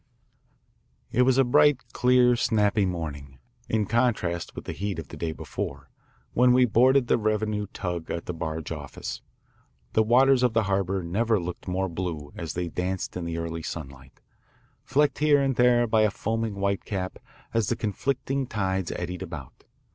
It was a bright clear snappy morning, in contrast with the heat of the day before, when we boarded the revenue tug at the Barge Office. The waters of the harbour never looked more blue as they danced in the early sunlight, flecked here and there by a foaming whitecap as the conflicting tides eddied about.